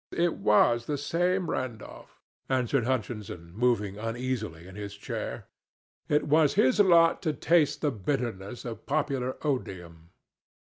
"It was the same Randolph," answered Hutchinson, moving uneasily in his chair. "It was his lot to taste the bitterness of popular odium."